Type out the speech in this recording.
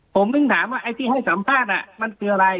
ผมถึงถามว่าไอ้ที่ให้สัมภาษณ์มันคืออะไร